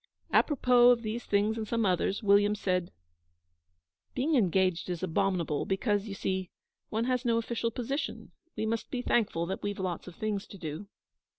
Apropos of these things and some others William said: 'Being engaged is abominable, because, you see, one has no official position. We must be thankful that we've lots of things to do.'